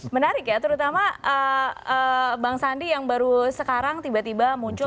menarik ya terutama bang sandi yang baru sekarang tiba tiba muncul